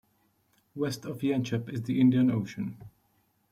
West of Yanchep is the Indian Ocean.